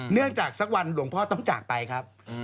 จากสักวันหลวงพ่อต้องจากไปครับ